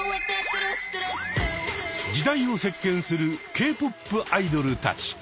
時代を席けんするＫ−ＰＯＰアイドルたち。